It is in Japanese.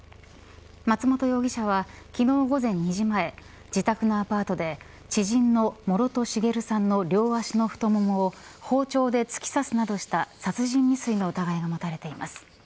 松本容疑者は昨日、午前２時前自宅のアパートで知人の諸頭繁さんの両脚の太ももを包丁で突き刺すなどした殺人未遂の疑いが持たれています。